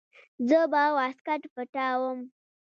زه به واسکټ پټاووم.